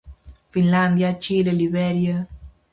Finlandia, Chile, Liberia...